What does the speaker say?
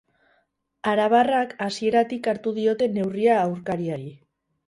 Arabarrak hasieratik hartu diote neurria aurkariari.